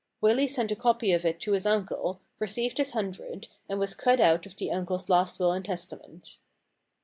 Willy sent a copy of it to his uncle, received his hundred, and was cut out of the uncle^s last will and testament.